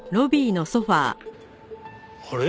あれ？